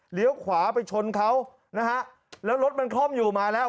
ขวาไปชนเขานะฮะแล้วรถมันคล่อมอยู่มาแล้ว